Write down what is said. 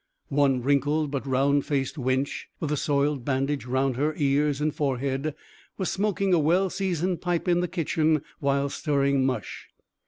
One wrinkled but round faced wench, with a soiled bandage round her ears and forehead, was smoking a well seasoned pipe in the kitchen while stirring mush.